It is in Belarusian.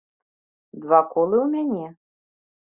Два колы ў мяне?